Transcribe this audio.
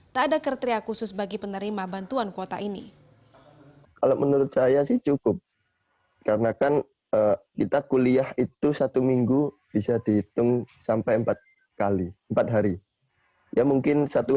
tak ada kriteria khusus bagi penerima bantuan kuota ini